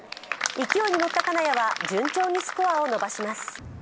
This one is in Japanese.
勢いに乗った金谷は順調にスコアを伸ばします。